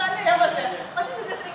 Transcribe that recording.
mas ini sudah sering